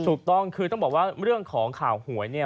ถูกต้องคือต้องบอกว่าเรื่องของข่าวหวยเนี่ย